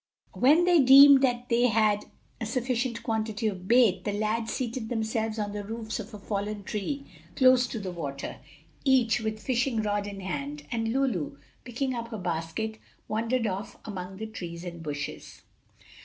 When they deemed that they had a sufficient quantity of bait, the lads seated themselves on the roots of a fallen tree close to the water, each, with fishing rod in hand, and Lulu, picking up her basket, wandered off among the trees and bushes.